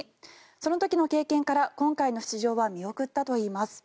その時の経験から今回の出場は見送ったといいます。